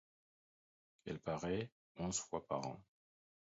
Elle paraît onze fois par an.